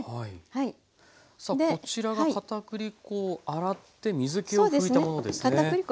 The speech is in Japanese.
さあこちらがかたくり粉を洗って水けを拭いたものですね。